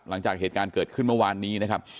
หลังจากเหตุการณ์เกิดขึ้นเมื่อวานนี้นะครับ